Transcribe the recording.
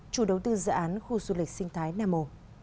chủ đầu tư dự án khu du lịch sinh thái nam ô